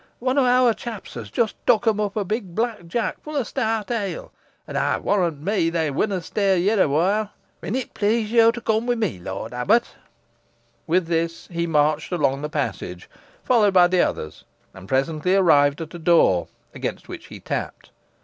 One o' owr chaps has just tuk em up a big black jack fu' o' stout ele; an ey warrant me they winnaw stir yet awhoile. Win it please yo to cum wi' me, lort abbut?" With this, he marched along the passage, followed by the others, and presently arrived at a door, against which he tapped.